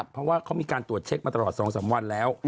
เพราะว่าเขามีการตรวจเช็คมาตลอด๒๓วันแล้ว